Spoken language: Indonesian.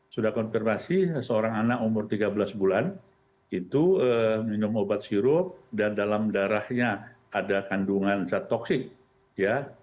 sudah konfirmasi seorang anak umur tiga belas bulan itu minum obat sirup dan dalam darahnya ada kandungan zat toksik ya